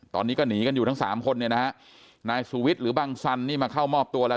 ตอนนี้ก็หนีกันอยู่ทั้งสามคนเนี่ยนะฮะนายสุวิทย์หรือบังสันนี่มาเข้ามอบตัวแล้ว